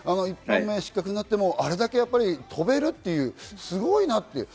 １本目、失格になってもあれだけ飛べるっていうすごいなって。